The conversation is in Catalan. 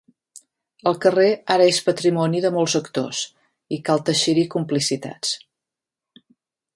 El carrer ara és patrimoni de molts actors i cal teixir-hi complicitats.